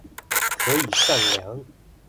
可以善良